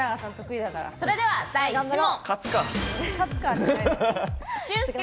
それでは第１問。